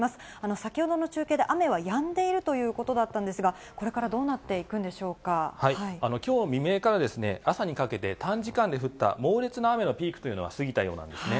先ほどの中継で雨はやんでいるということだったんですが、これかきょう未明から朝にかけて、短時間で降った猛烈な雨のピークというのは過ぎたようなんですね。